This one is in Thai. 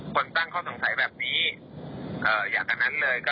คนตั้งข้อสงสัยแบบนี้อยากอันนั้นเลย